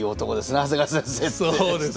長谷川先生って。